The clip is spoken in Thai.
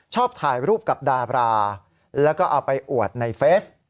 ถ่ายรูปกับดาบราแล้วก็เอาไปอวดในเฟซ